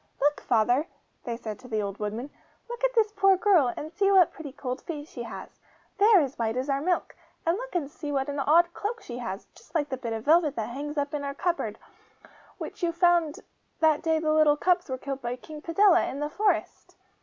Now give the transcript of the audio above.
'Look, father!' they said to the old woodman, 'look at this poor girl, and see what pretty cold feet she has. They are as white as our milk! And look and see what an odd cloak she has, just like the bit of velvet that hangs up in our cupboard, and which you found that day the little cubs were killed by King Padella, in the forest!